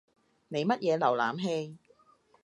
你乜嘢瀏覽器？